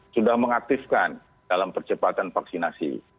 sudah mengaktifkan dalam percepatan vaksinasi